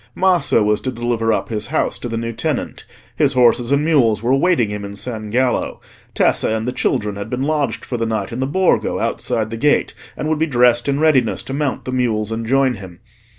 Maso was to deliver up his house to the new tenant; his horses and mules were awaiting him in San Gallo; Tessa and the children had been lodged for the night in the Borgo outside the gate, and would be dressed in readiness to mount the mules and join him.